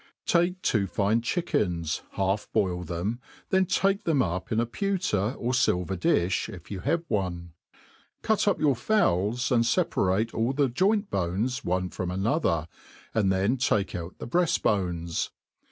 TAKIE two fine chickens, half boil them, then take thenj \ipln a pewter, or filver di(h, if you have one^ cut up your fowls, and feparate alt the joint bones one from another, and then take out the breaft bones.